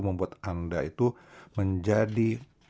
membuat anda itu menjadi